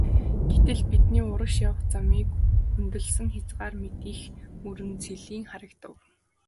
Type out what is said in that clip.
Гэтэл бидний урагш явах замыг хөндөлсөн хязгаарлах мэт их мөрөн цэлийн харагдав.